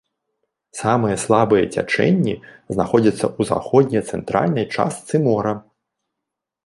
Самыя слабыя цячэнні знаходзяцца ў заходне-цэнтральнай частцы мора.